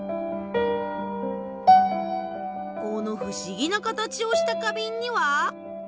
このふしぎな形をした花瓶には？